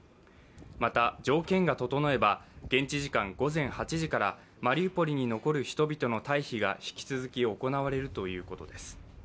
また、条件が整えば現地時間午前８時からマリウポリに残る人々の退避が引き続き行われるということです。